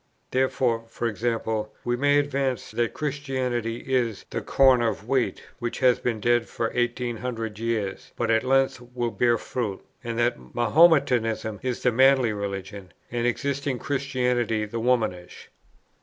Therefore, e.g. we may advance that Christianity is the "corn of wheat" which has been dead for 1800 years, but at length will bear fruit; and that Mahometanism is the manly religion, and existing Christianity the womanish.